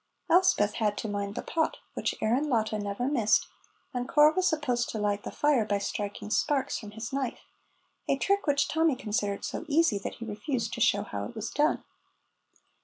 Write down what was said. Elspeth had to mind the pot, which Aaron Latta never missed, and Corp was supposed to light the fire by striking sparks from his knife, a trick which Tommy considered so easy that he refused to show how it was done.